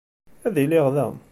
Ad iliɣ da.